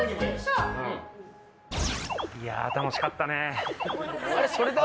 いやー、楽しかったね。